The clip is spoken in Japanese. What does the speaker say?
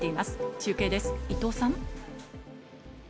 中継です、伊藤さん。